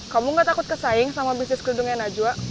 kamu nggak takut kesaing sama bisnis kerudungnya najwa